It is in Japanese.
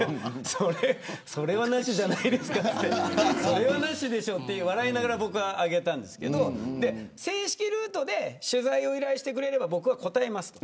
それはなしじゃないですかってそれはなしでしょって笑いながら僕は上げたんですけど正式ルートで取材を依頼してくれれば僕は答えますと。